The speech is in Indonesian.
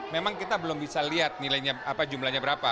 memang kita belum bisa lihat jumlahnya berapa